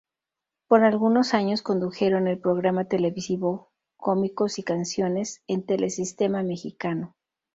Por algunos años condujeron el programa televisivo "Cómicos y canciones" en Telesistema Mexicano.